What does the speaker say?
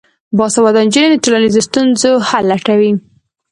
باسواده نجونې د ټولنیزو ستونزو حل لټوي.